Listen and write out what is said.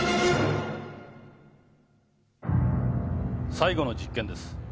最後の実験です。